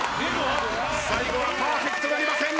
最後はパーフェクトなりません。